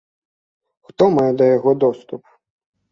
Хто мае да яго доступ?